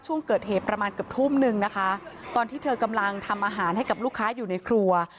ช่วงเกิดเหตุประมาณเกือบทุ่มนึงนะคะตอนที่เธอกำลังทำอาหารให้กับลูกค้าอยู่ในครัว